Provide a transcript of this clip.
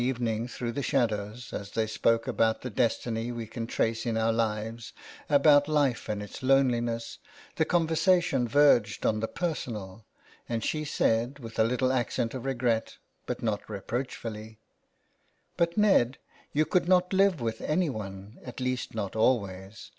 evening through the shadows, as they spoke about the destiny we can trace in our lives, about life and its loneliness, the conversation verged on the personal, and she said, with a little accent of regret, but not reproachfully :'' But, Ned, you could not live with anyone, at least not always.